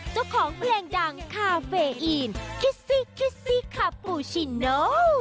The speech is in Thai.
เจ้าของเพลงดังคาเฟอีนคิสซี่คิสซี่คาปูชิโน